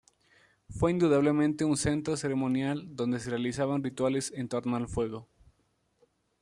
Fue indudablemente un centro ceremonial donde se realizaban rituales en torno al fuego.